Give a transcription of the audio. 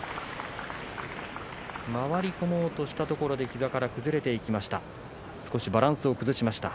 回り込もうとしたところで膝から崩れていきました。